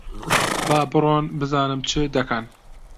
با بڕۆن بزانم چ دەکەن؟